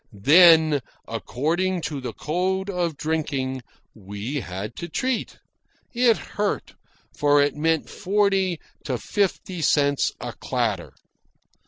Then, according to the code of drinking, we had to treat. It hurt, for it meant forty to fifty cents a clatter.